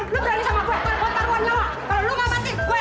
hah lo berani sama gue